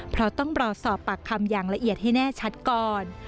เพราะต้องรอสอบปากคำอย่างละเอียดให้แน่ชัดก่อน